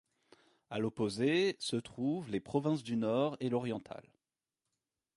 À l'opposé, se trouvent les provinces du Nord et l'Oriental.